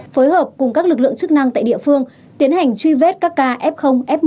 phối hợp cùng các lực lượng chức năng tại địa phương tiến hành truy vết các ca f f một